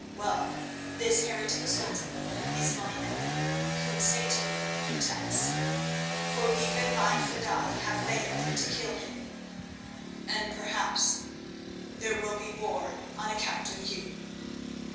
Well, this heretic sultan is my enemy whom Satan protects, for even my fedaïs have failed to kill him, and perhaps there will be war on account of you.